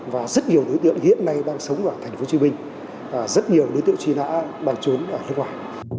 và rất nhiều đối tượng hiện nay đang sống ở thành phố hồ chí minh rất nhiều đối tượng chỉ đã đang trốn ở nước ngoài